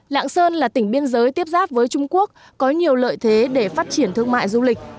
lạng sơn là tỉnh biên giới tiếp giáp với trung quốc có nhiều lợi thế để phát triển thương mại du lịch